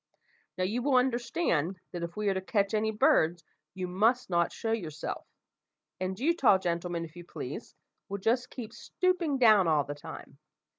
"Now, you will understand, that if we are to catch any birds, you must not show yourself; and you, tall gentleman, if you please, will just keep stooping down all the time.